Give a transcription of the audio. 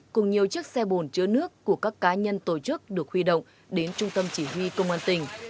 cùng nhiều chiếc xe bồn chữa nước của các cá nhân tổ chức được huy động đến trung tâm chỉ huy công an tỉnh